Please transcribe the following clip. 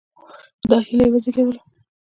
دا هیله یې وزېږوله.